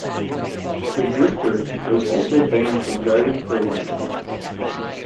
The drifter was also banned from driving for life.